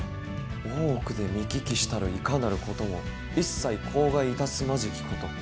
大奥で見聞きしたるいかなることも一切口外いたすまじきこと。